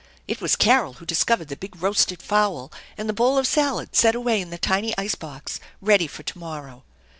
It was Carol who discovered the big roasted fowl and the bowl of salad set away in the tiny ice box ready for to morrow.